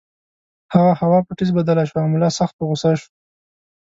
هغه هوا په ټیز بدله شوه او ملا سخت په غُصه شو.